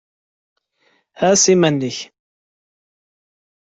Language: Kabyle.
Ɛas iman-ik!